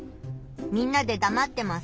みんなでだまってます。